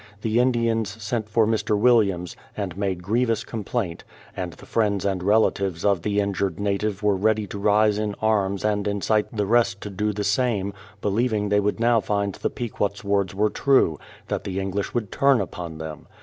The Indians sent for Mr. Williams, and made grievous com plaint; and the friends and relatives of the injured native were ready to rise in arms and incite the rest to do the same, believing they would now find the Pequot's words were true: that the English would turn upon them.